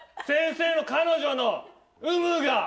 先生の彼女の有無が！